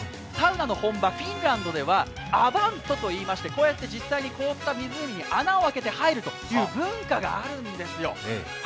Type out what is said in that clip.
サウナの本場・フィンランドではアヴァントといいましてこうやって実際に凍った湖に穴を掘って入る文化があるんですよ。